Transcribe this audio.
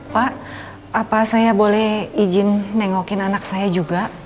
pak apa saya boleh izin nengokin anak saya juga